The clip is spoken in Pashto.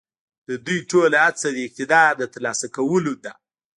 د دوی ټوله هڅه د اقتدار د تر لاسه کولو ده.